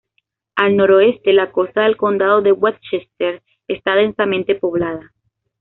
Al noroeste la costa del condado de Westchester está densamente poblada.